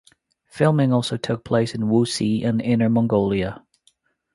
Filming also took place in Wuxi and Inner Mongolia.